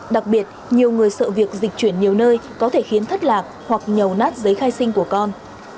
đặc biệt nhiều người sợ việc dịch chuyển nhiều nơi có thể khiến thất lạc hoặc nhầu nát giấy khai sinh của con